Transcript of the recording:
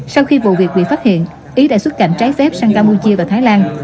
sau khi vụ việc bị phát hiện ý đã xuất cảnh trái phép sang campuchia và thái lan